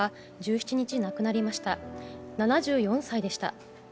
７４歳でした。